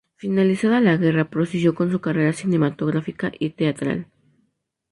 Finalizada la guerra prosiguió con su carrera cinematográfica y teatral.